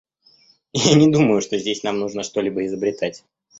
Я не думаю, что здесь нам нужно что-либо изобретать.